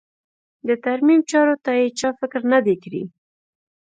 د ترمیم چارو ته یې چا فکر نه دی کړی.